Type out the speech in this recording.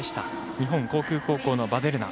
日本航空高校のヴァデルナ。